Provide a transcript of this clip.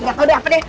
ya udah apa deh